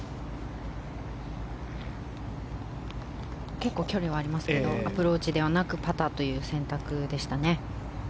結構距離がありますがアプローチではなくパターという選択でしたね。